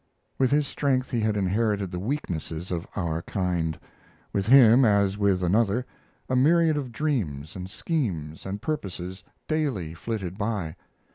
With his strength he had inherited the weaknesses of our kind. With him, as with another, a myriad of dreams and schemes and purposes daily flitted by.